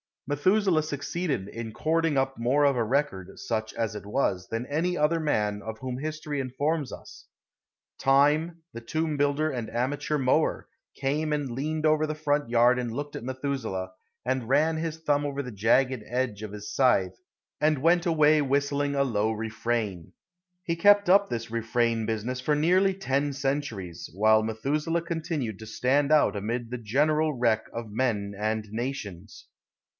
Methuselah succeeded in cording up more of a record, such as it was, than any other man of whom history informs us. Time, the tomb builder and amateur mower, came and leaned over the front yard and looked at Methuselah, and ran his thumb over the jagged edge of his scythe, and went away whistling a low refrain. He kept up this refrain business for nearly ten centuries, while Methuselah continued to stand out amid the general wreck of men and nations.